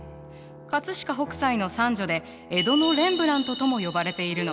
飾北斎の三女で江戸のレンブラントとも呼ばれているの。